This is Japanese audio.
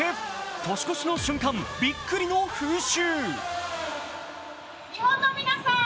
年越しの瞬間、びっくりの風習。